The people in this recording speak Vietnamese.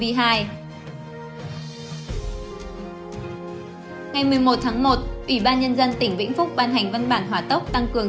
ngày một mươi một tháng một ủy ban nhân dân tỉnh vĩnh phúc ban hành văn bản hỏa tốc tăng cường